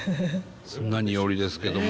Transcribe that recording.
何よりですけども